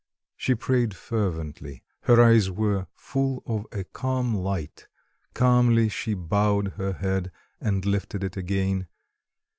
She prayed fervently, her eyes were full of a calm light, calmly she bowed her head and lifted it again.